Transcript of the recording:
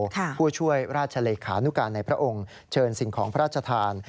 ผู้ช่วยราชเลขานุการในพระองค์เชิญสิ่งของพระราชทาน